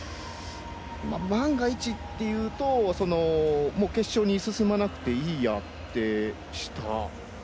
万が一っていうと決勝に進まなくていいやってしたのか。